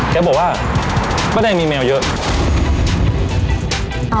เค้าบอกว่าปลาแดงมีแมวเยอะ